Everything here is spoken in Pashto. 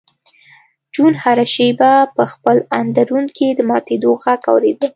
جون هره شېبه په خپل اندرون کې د ماتېدو غږ اورېده